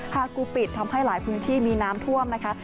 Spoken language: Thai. คากูปิดทำให้หลายพื้นที่มีน้ำท่วมนะคะ